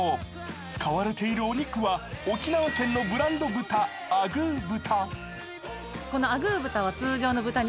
使われているお肉は、沖縄県のブランド豚・アグー豚。